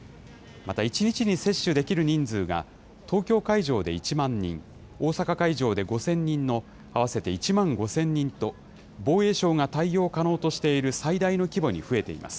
また、１日に接種できる人数が、東京会場で１万人、大阪会場で５０００人の合わせて１万５０００人と、防衛省が対応可能としている最大の規模に増えています。